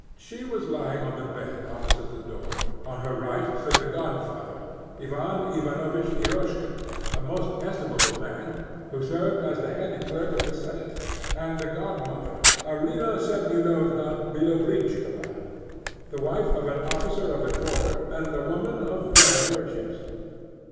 She was lying on the bed opposite the door; on her right stood the godfather, Ivan Ivanovich Eroshkin, a most estimable man, who served as the head clerk of the senate; and the godmother, Arina Semyonovna Bielobrinshkova, the wife of an officer of the quarter, and a woman of rare virtues.